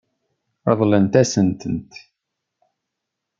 Ṛeḍlent-asen-tent.